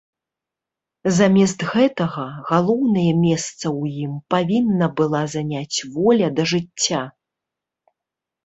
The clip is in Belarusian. Замест гэтага, галоўнае месца ў ім павінна была заняць воля да жыцця.